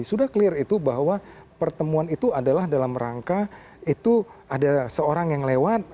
sudah clear itu bahwa pertemuan itu adalah dalam rangka itu ada seorang yang lewat